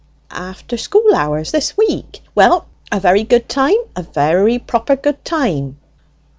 "After school hours this week? Well, a very good time, a very proper good time."